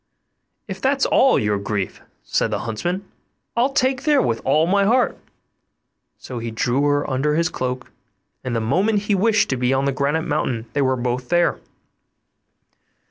'If that's all your grief,' said the huntsman, 'I'll take you there with all my heart'; so he drew her under his cloak, and the moment he wished to be on the granite mountain they were both there.